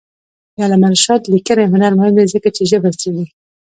د علامه رشاد لیکنی هنر مهم دی ځکه چې ژبه څېړي.